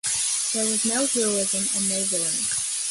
There was no heroism and no villainy.